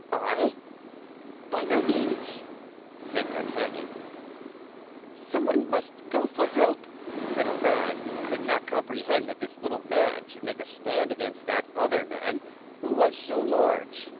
"I? By no means!" said D'Artagnan. "Some one must go for help," said a lad, who could not comprehend that this little man should make a stand against that other man, who was so large.